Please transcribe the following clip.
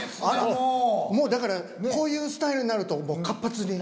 もうだからこういうスタイルになるともう活発にね。